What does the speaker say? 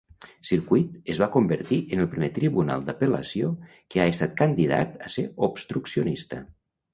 Circuit, es va convertir en el primer tribunal d'apel·lació que ha estat candidat a ser obstruccionista.